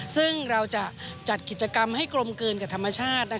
ซึ่งเราจะจัดกิจกรรมให้กลมเกินกับธรรมชาติ